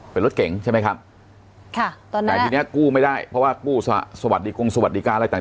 เป็นรถเก่งใช่ไหมครับแต่ทีนี้กู้ไม่ได้เพราะว่ากู้สวัสดิกัลอะไรต่าง